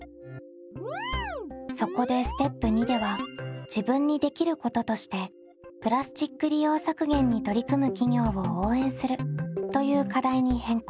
そこでステップ②では自分にできることとしてプラスチック利用削減に取り組む企業を応援するという課題に変更。